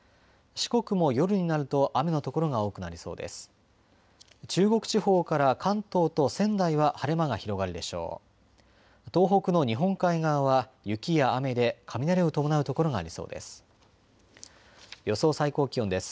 四国も夜になると雨のところが多くなりそうです。